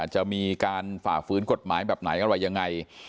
จะมีการฝ่าฝืนกฎหมายแบบไหนอะไรยังไง